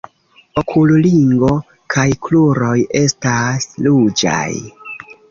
Okulringo kaj kruroj estas ruĝaj.